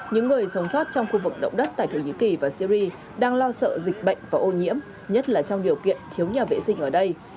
những người sống sót trong khu vực động đất tại thổ nhĩ kỳ và syri đang lo sợ dịch bệnh và ô nhiễm nhất là trong điều kiện thiếu nhà vệ sinh ở đây